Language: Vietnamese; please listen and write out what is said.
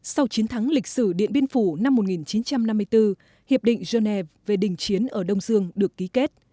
sau chiến thắng lịch sử điện biên phủ năm một nghìn chín trăm năm mươi bốn hiệp định genève về đình chiến ở đông dương được ký kết